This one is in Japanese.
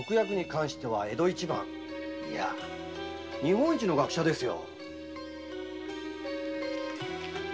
いや日本一の学者ですよ。